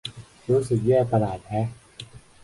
รู้สึกแย่ประหลาดแฮะ